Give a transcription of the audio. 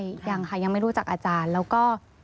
ยังค่ะยังไม่รู้จักอาจารย์แล้วก็